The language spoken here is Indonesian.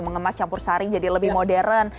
mengemas campur saring jadi lebih modern